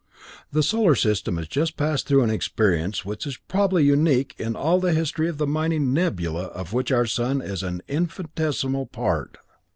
The Solar System has just passed through an experience which is probably unique in all the history of the mighty nebula of which our sun is an infinitesimal part.